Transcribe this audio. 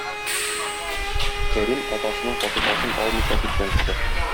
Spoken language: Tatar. Кәрим атасының фатихасын алмыйча киткән кеше.